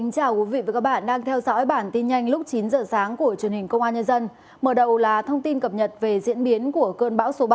cảm ơn các bạn đã theo dõi